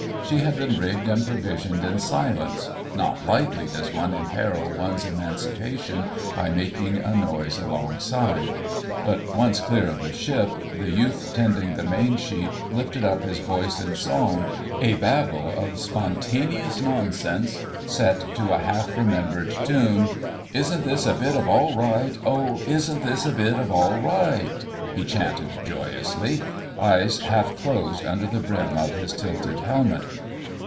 She had been rigged and provisioned in silence—not lightly does one imperil one's emancipation by making a noise alongside; but once clear of the ship, the youth tending the main sheet lifted up his voice in song, a babble of spontaneous nonsense set to a half remembered tune— "Isn't this a bit of all right! Oh, isn't this a bit of all right!" he chanted joyously, eyes half closed under the brim of his tilted helmet.